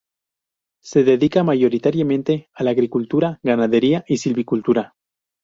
Se dedica mayoritariamente a la agricultura, ganadería y silvicultura.